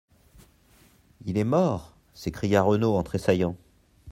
—Il est mort !…» s’écria Renaud en tressaillant.